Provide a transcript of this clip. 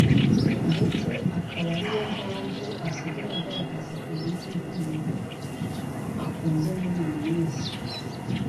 ndetse akaba ariyo mpamvu asigaye agaragaza Eric nk’umuntu akunze muri iyi minsi